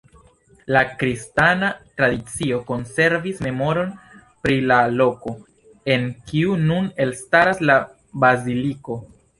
La kristana tradicio konservis memoron pri la loko, en kiu nun elstaras la Baziliko.